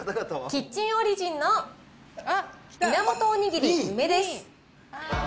キッチンオリジンの源おにぎり梅です。